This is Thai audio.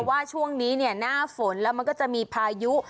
ว่าช่วงนี้เนี่ยหน้าฝนแล้วมันก็จะมีพายุ